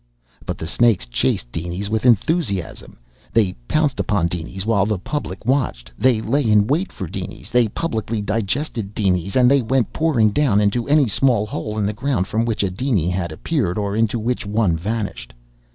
But the snakes chased dinies with enthusiasm. They pounced upon dinies while the public watched. They lay in wait for dinies, they publicly digested dinies, and they went pouring down into any small hole in the ground from which a diny had appeared or into which one vanished.